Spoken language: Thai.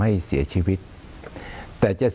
คุณจอมขอบพระคุณครับ